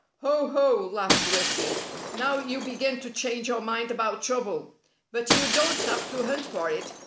"Oh! Ho!" laughed Rusty. "Now you be gin to change your mind about trouble. But you don't have to hunt for it.